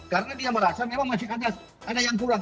karena dia merasa memang masih ada yang kurang